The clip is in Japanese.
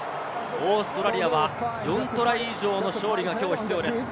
オーストラリアは４トライ以上の勝利がきょう必要です。